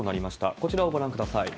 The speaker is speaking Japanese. こちらをご覧ください。